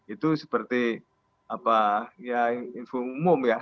itu seperti apa ya info umum ya